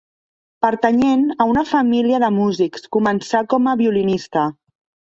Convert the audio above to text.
Pertanyent a una família de músics, començà com a violinista.